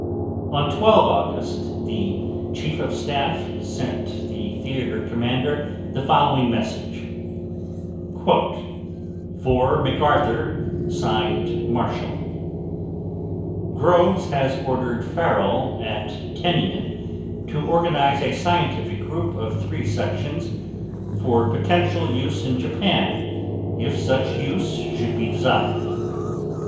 On 12 August the Chief of Staff sent the Theater Commander the following message: "FOR MACARTHUR, SIGNED MARSHALL: "GROVES HAS ORDERED FARRELL AT TINIAN TO ORGANIZE A SCIENTIFIC GROUP OF THREE SECTIONS FOR POTENTIAL USE IN JAPAN IF SUCH USE SHOULD BE DESIRED.